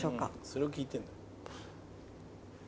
それを聞いてるのよ。